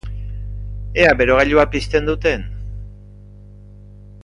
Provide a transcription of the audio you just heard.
Ea berogailua pizten duten!